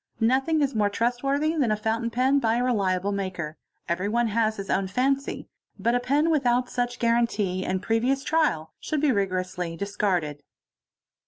Nothing is more trust worthy than a fountain pen by a reliable maker—everyone has his own faney—but a pen without such guarantee and previous trial should be rigorously discarded.